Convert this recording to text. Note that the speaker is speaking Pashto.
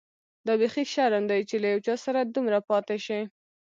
دا بيخي شرم دی چي له یو چا سره دومره پاتې شې.